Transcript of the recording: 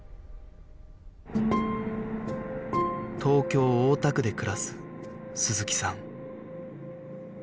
東京大田区で暮らす鈴木さん